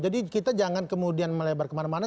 jadi kita jangan kemudian melebar kemana mana